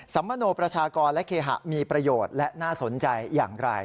ัมมโนประชากรและเคหะมีประโยชน์และน่าสนใจอย่างไร